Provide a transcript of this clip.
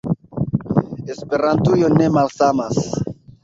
Esperantujo ne malsamas.